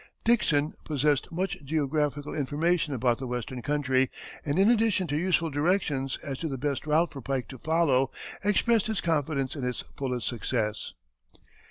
Dickson possessed much geographical information about the western country, and in addition to useful directions as to the best route for Pike to follow, expressed his confidence in its fullest success.